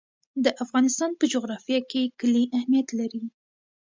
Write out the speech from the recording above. د افغانستان په جغرافیه کې کلي اهمیت لري.